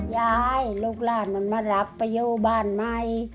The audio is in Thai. ย้ายลูกลาดมันมารับประโยบันใหม่